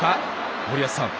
森保さん。